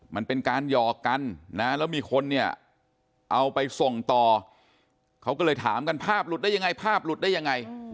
มันเป็นการหยอกกันนะแล้วมีคนเนี่ยเอาไปส่งต่อเขาก็เลยถามกันภาพหลุดได้ยังไงภาพหลุดได้ยังไง